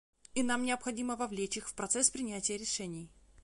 И нам необходимо вовлечь их в процесс принятия решений.